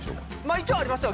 一応ありますよ。